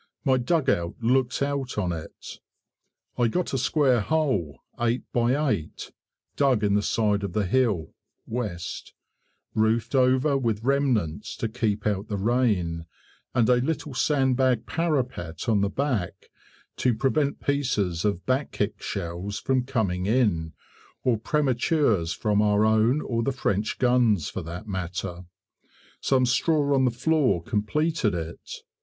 My dugout looked out on it. I got a square hole, 8 by 8, dug in the side of the hill (west), roofed over with remnants to keep out the rain, and a little sandbag parapet on the back to prevent pieces of "back kick shells" from coming in, or prematures from our own or the French guns for that matter. Some straw on the floor completed it.